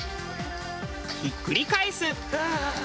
ひっくり返す。